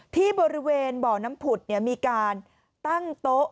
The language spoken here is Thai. ที่บริเวณบ่อน้ำผุดมีการตั้งโต๊ะ